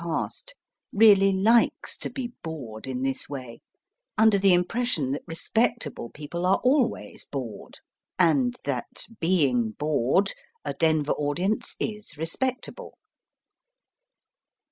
past, really likes to be bored in this way, under the impression that respectable people are always bored, and that, being bored, a Denver audience is respectable.